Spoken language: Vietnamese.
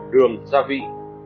đường gia vị